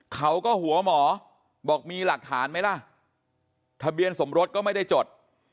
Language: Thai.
เขาก็หัวหมอบอกมีหลักฐานไหมล่ะทะเบียนสมรสก็ไม่ได้จด